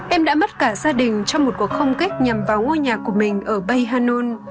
em đã mất cả gia đình trong một cuộc không kích nhằm vào ngôi nhà của mình ở bay hanon